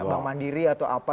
bang mandiri atau apa